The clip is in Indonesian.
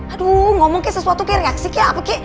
aduh ngomong kayak sesuatu kayak reaksi kayak apa kayak